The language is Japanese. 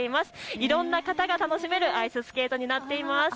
いろんな方が楽しめるアイススケートになっています。